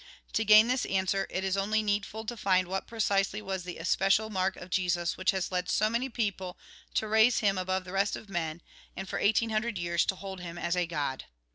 To gain this answer, it is only needful to find what precisely was the especial mark of Jesus which has led so many people to raise him above the rest of men, and, for eighteen hundred years, to hold him as a God.